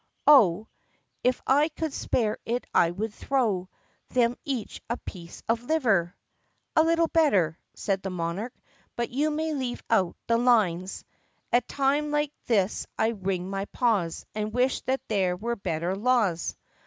Oh, If I could spare it I would throw Them each a piece of liver!" "A little better," said the monarch, "but you may leave out the lines, " 'At times like this I wring my paws And wish that there were better laws.